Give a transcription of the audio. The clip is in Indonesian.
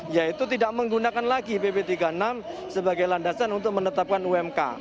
yaitu tidak menggunakan lagi pp tiga puluh enam sebagai landasan untuk menetapkan umk